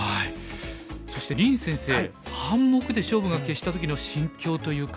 そして林先生半目で勝負が決した時の心境というか。